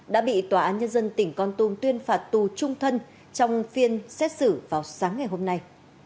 đã bị tòa án nhân dân tỉnh con tum tuyên phạt tù trung thân trong phiên xét xử vào sáng ngày hôm nay